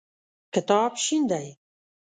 کتاب شین دی.